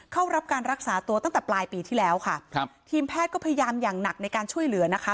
เข้ารับการรักษาตัวตั้งแต่ปลายปีที่แล้วค่ะครับทีมแพทย์ก็พยายามอย่างหนักในการช่วยเหลือนะคะ